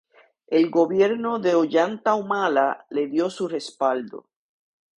El gobierno de Ollanta Humala le dio su respaldo.